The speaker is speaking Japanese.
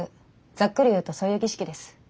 ざっくり言うとそういう儀式です。